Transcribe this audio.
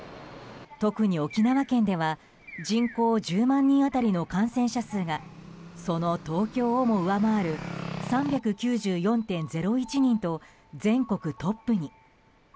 特に沖縄県では人口１０万人当たりの感染者数がその東京をも上回る３９４．０１人と全国トップに。